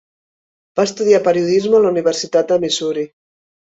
Va estudiar periodisme a la Universitat de Missouri.